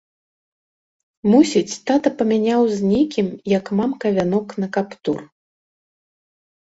Мусіць, тата памяняў з некім, як мамка вянок на каптур.